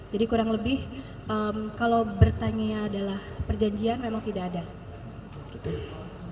jadi kurang lebih kalau bertanya adalah perjanjian memang tidak ada